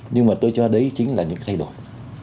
nhưng mà tôi cho đấy chính là những thay đổi